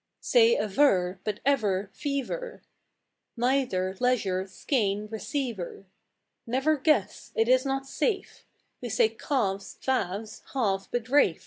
Say aver, but ever, fever, Neither, leisure, skein, receiver. Never guess—it is not safe; We say calves, valves, half, but Ralf!